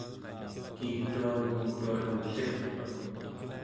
kiituani tuaten ellirtuq